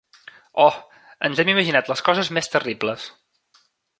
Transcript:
Oh, ens hem imaginat les coses més terribles.